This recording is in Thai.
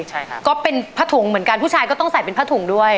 ใช่ครับก็เป็นผ้าถุงเหมือนกันผู้ชายก็ต้องใส่เป็นผ้าถุงด้วย